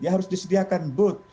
ya harus disediakan booth